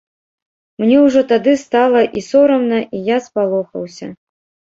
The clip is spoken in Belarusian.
Мне ўжо тады стала і сорамна, і я спалохаўся.